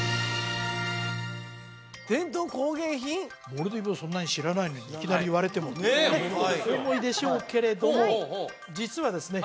モルディブをそんなに知らないのにいきなり言われてもとお思いでしょうけれども実はですね